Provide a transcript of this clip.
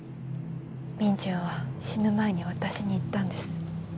ミンジュンは死ぬ前に私に言ったんです。